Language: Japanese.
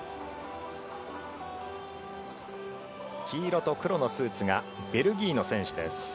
黄色と黒のスーツがベルギーの選手です。